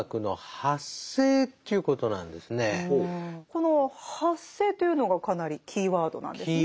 この「発生」というのがかなりキーワードなんですね。